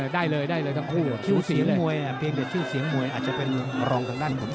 ได้เลยได้เลยทั้งคู่ชื่อเสียงมวยเพียงแต่ชื่อเสียงมวยอาจจะเป็นรองทางด้านกฎหมาย